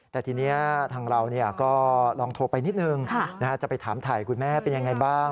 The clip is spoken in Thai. แต่ทีนี้ทางเราก็ลองโทรไปนิดนึงจะไปถามถ่ายคุณแม่เป็นยังไงบ้าง